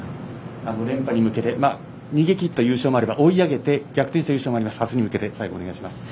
連覇に向けて、逃げ切った優勝もありましたし追い上げて逆転した優勝もあります。